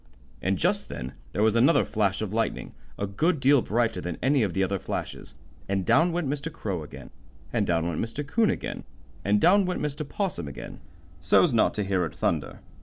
And just then there was another flash of lightning, a good deal brighter than any of the other flashes, and down went Mr. Crow again, and down went Mr. 'Coon again, and down went Mr. 'Possum again, so's not to hear it thunder.